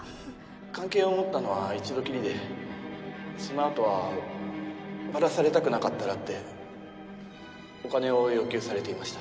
関係を持ったのは一度きりでそのあとはバラされたくなかったらってお金を要求されていました